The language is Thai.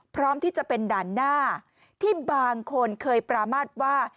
พร้อมที่จะเป็นด่านหน้าที่บางคนเคยปรามาทว่า